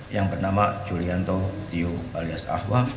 yang bernama julianto tio alias ahwa